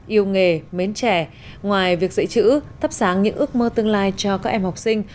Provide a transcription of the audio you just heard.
yêu nghề mến trẻ ngoài việc dạy chữ thắp sáng những ước mơ tương lai cho các em học sinh